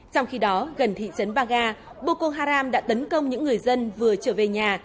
trong khi đó gần thị trấn baga boko haram đã tấn công những người dân vừa trở về nhà